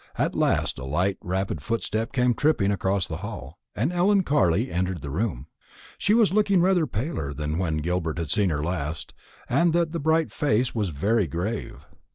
At last a light rapid footstep came tripping across the hall, and Ellen Carley entered the room. She was looking paler than when Gilbert had seen her last, and the bright face was very grave.